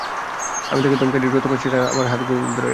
আমি তাকে থামাইনি যখন সে তার হাত আমার ঘাড়ে রাখে।